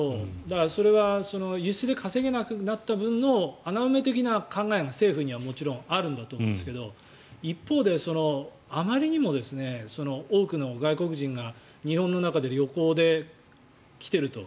それは輸出で稼げなくなった分の穴埋め的な考えが政府にはもちろんあるんだと思うんですが一方であまりにも多くの外国人が日本の中で旅行で来ていると。